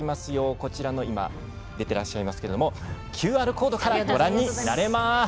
こちらの出ていらっしゃいますけどＱＲコードからご覧になれます。